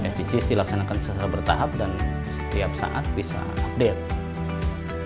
spg dilaksanakan secara bertahap dan setiap saat bisa update